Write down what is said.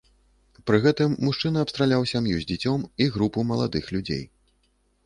Пры гэтым мужчына абстраляў сям'ю з дзіцем і групу маладых людзей.